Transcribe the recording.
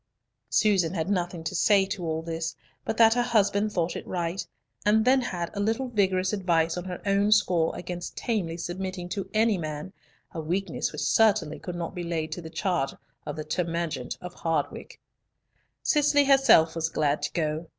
Susan had nothing to say to all this, but that her husband thought it right, and then had a little vigorous advice on her own score against tamely submitting to any man, a weakness which certainly could not be laid to the charge of the termagant of Hardwicke. Cicely herself was glad to go.